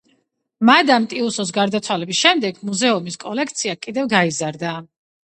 მადამ ტიუსოს გარდაცვალების შემდეგ მუზეუმის კოლექცია კიდევ გაიზარდა.